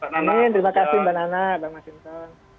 amin terima kasih mbak nana bang masinton